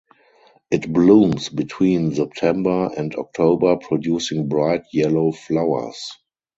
It blooms between September and October producing bright yellow flowers.